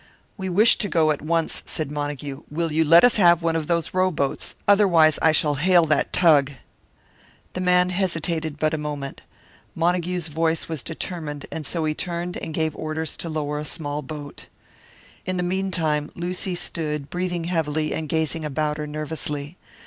"We wish to go at once," said Montague. "Will you let us have one of those rowboats? Otherwise I shall hail that tug." The man hesitated but a moment. Montague's voice was determined, and so he turned and gave orders to lower a small boat. In the meantime, Lucy stood, breathing heavily, and gazing about her nervously.